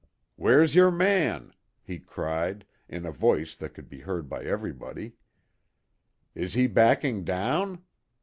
"Where's your man?" he cried, in a voice that could be heard by everybody. "Is he backing down?